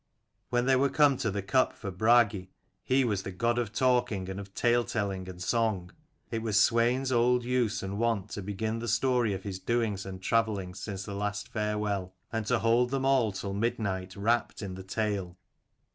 When they were come to the cup for Bragi he was the god of talking and of tale telling and song, it was Swein's old use and wont to begin the story of his doings and travellings since the last farewell, and to hold them all till midnight wrapt in the tale.